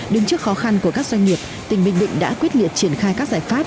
đứng trước khó khăn của các doanh nghiệp tỉnh bình định đã quyết liệt triển khai các giải pháp